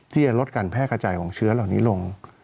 ที่จะลดการแพร่กระจายของเชื้อเหล่านี้ลง